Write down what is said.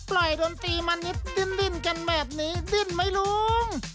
ดนตรีมานิดดิ้นกันแบบนี้ดิ้นไหมลุง